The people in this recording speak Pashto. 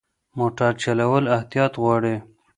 موټر چلول احتیاط غواړي.